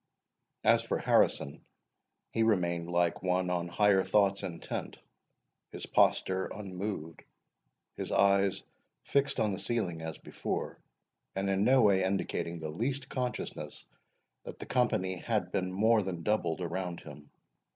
As for Harrison, he remained like one on higher thoughts intent; his posture unmoved, his eyes fixed on the ceiling as before, and in no way indicating the least consciousness that the company had been more than doubled around him.